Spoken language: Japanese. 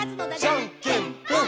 「じゃんけんぽん！！」